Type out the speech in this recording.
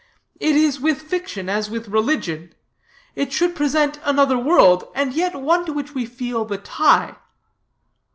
It is with fiction as with religion: it should present another world, and yet one to which we feel the tie.